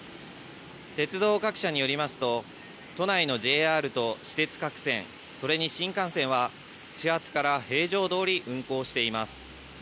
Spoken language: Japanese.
鉄道各社によりますと、都内のＪＲと私鉄各線、それに新幹線は、始発から平常どおり運行しています。